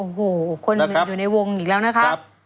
โอ้โหคนอยู่ในวงอีกแล้วนะครับ